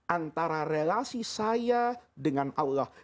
antara relasi saya dengan allah